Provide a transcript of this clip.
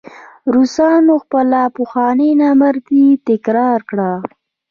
روسانو خپله پخوانۍ نامردي تکرار کړه.